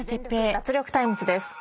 脱力タイムズ』です。